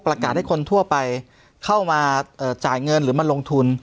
ให้คนทั่วไปเข้ามาจ่ายเงินหรือมาลงทุน